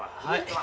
はい。